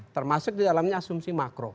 termasuk di dalamnya asumsi makro